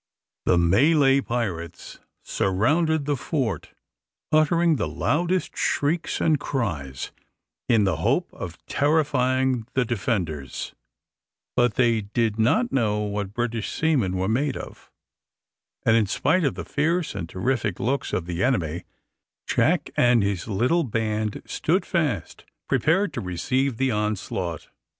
The Malay pirates surrounded the fort, uttering the loudest shrieks and cries, in the hope of terrifying the defenders, but they did not know what British seamen were made of; and in spite of the fierce and terrific looks of the enemy, Jack and his little band stood fast, prepared to receive the onslaught.